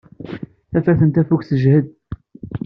Tafat n tafukt tejhed.